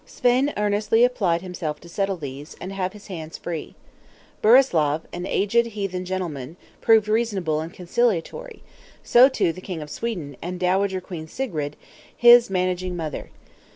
Svein earnestly applied himself to settle these, and have his hands free. Burislav, an aged heathen gentleman, proved reasonable and conciliatory; so, too, the King of Sweden, and Dowager Queen Sigrid, his managing mother.